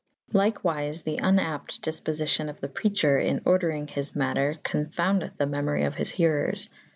Lykewyfe the vnapte dyfpoiycyon of the precher in orderynge his mater con fundyth' the memory of hys herers.